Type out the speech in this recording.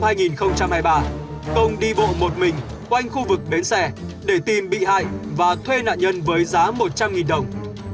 năm hai nghìn hai mươi ba công đi bộ một mình quanh khu vực bến xe để tìm bị hại và thuê nạn nhân với giá một trăm linh đồng